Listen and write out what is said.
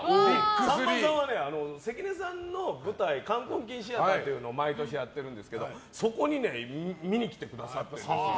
さんまさんは関根さんの舞台「カンコンキンシアター」っていうのを毎年やってるんですけどそこに見に来てくださってるんですよ。